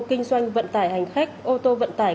kinh doanh vận tải hành khách ô tô vận tải